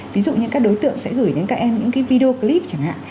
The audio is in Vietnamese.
ví dụ như các đối tượng sẽ gửi đến các em những cái video clip chẳng hạn